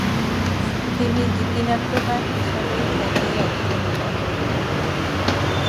তিনি গীতিনাট্যকার হিসাবেই খ্যাতি অর্জন করেন।